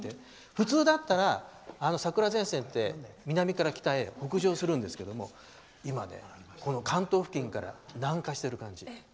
普通だったら桜前線って南から北へ北上するんですけども今は関東付近から南下している感じ。